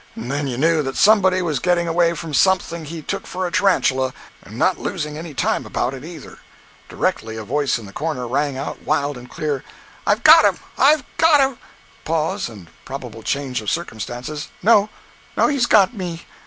and then you knew that somebody was getting away from something he took for a tarantula, and not losing any time about it, either. Directly a voice in the corner rang out wild and clear: "I've got him! I've got him!" [Pause, and probable change of circumstances.] "No, he's got me!